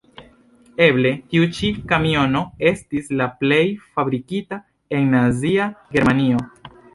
Eble, tiu ĉi kamiono estis la plej fabrikita en Nazia Germanio.